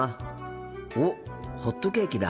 おっホットケーキだ。